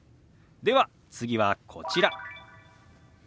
では次はこちら。